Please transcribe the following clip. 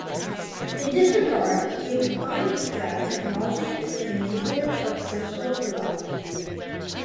In this regard he opines that technology is an enabler of social development.